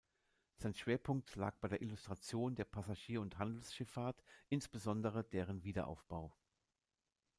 Sein Schwerpunkt lag bei der Illustration der Passagier- und Handelsschifffahrt, insbesondere deren Wiederaufbau.